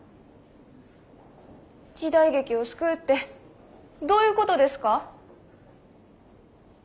時代劇を救うってどういうことですか？